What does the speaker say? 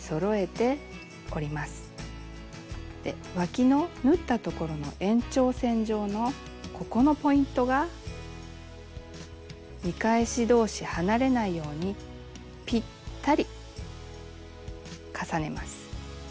でわきの縫ったところの延長線上のここのポイントが見返し同士離れないようにぴったり重ねます。